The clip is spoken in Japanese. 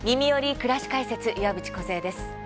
くらし解説」岩渕梢です。